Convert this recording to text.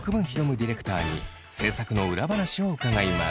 ディレクターに制作の裏話を伺います。